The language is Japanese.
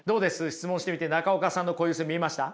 質問してみて中岡さんの固有性見えました？